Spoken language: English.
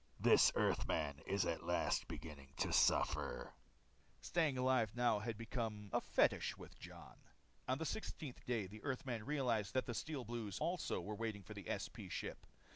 This Earthman at last is beginning to suffer." Staying alive had now become a fetish with Jon. On the sixteenth day, the Earthman realized that the Steel Blues also were waiting for the SP ship.